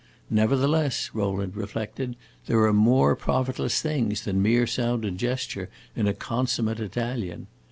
Nevertheless, Rowland reflected, there are more profitless things than mere sound and gesture, in a consummate Italian.